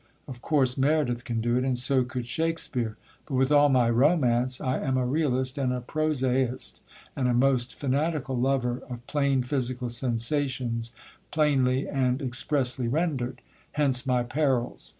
Of course Meredith can do it, and so could Shakespeare; but with all my romance, I am a realist and a prosaist, and a most fanatical lover of plain physical sensations plainly and expressly rendered; hence my perils.